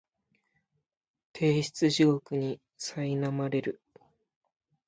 提出地獄にさいなまれる